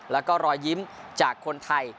แล้วก็รอยยิ้มจากคนไทย